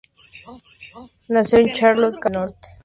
Nació en Charlotte, Carolina del Norte.